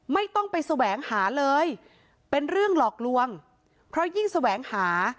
ไม่ต้องไปแสวงหาเลยเป็นเรื่องหลอกลวงเพราะยิ่งแสวงหา